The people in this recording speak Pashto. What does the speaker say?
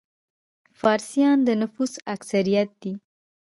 فارسیان د نفوس اکثریت دي.